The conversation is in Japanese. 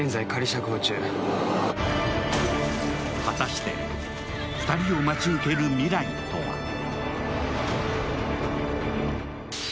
果たして２人を待ち受ける未来とは？